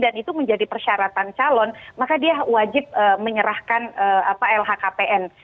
dan itu menjadi persyaratan calon maka dia wajib menyerahkan